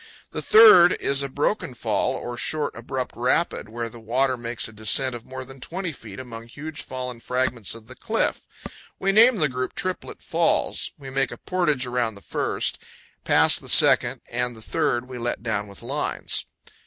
The third is a broken fall, or short, abrupt rapid, where the water makes a descent of more than 20 feet among huge, fallen fragments of the cliff. We name the group Triplet Falls. We make a portage around the first; past the second and the third we let down with lines.